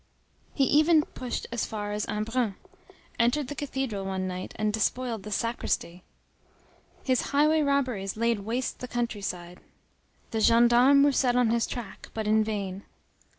He even pushed as far as Embrun, entered the cathedral one night, and despoiled the sacristy. His highway robberies laid waste the country side. The gendarmes were set on his track, but in vain.